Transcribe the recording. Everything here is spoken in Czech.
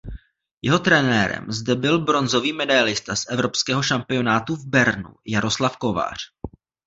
Jeho trenérem zde byl bronzový medailista z evropského šampionátu v Bernu Jaroslav Kovář.